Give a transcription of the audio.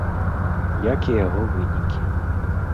Як і яго вынікі.